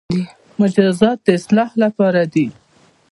مجازات د اصلاح لپاره دي